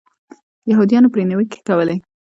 یهودیانو پرې نیوکې کولې.